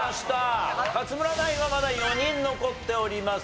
勝村ナインはまだ４人残っております。